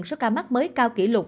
số ca mắc mới cao kỷ lục